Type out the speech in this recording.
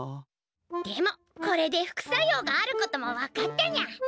でもこれで副作用があることも分かったにゃ。